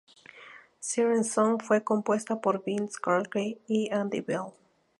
Siren Song fue compuesta por Vince Clarke y Andy Bell.